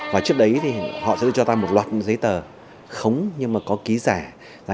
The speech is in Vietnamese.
và trước đấy thì họ sẽ cho ta một loạt giấy tờ khống nhưng mà có ký giả